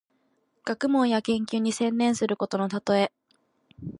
学問や研究に専念することのたとえ。